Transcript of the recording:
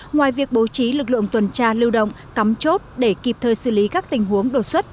ngoài việc bố trí lực lượng tuần tra lưu động cắm chốt để kịp thời xử lý các tình huống đột xuất